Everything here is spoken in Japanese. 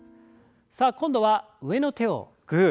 さあ今度は上の手をグー。